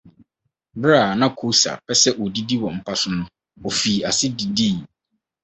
Bere a na Koosa pɛ sɛ odidi wɔ mpa so no, ofii ase didii.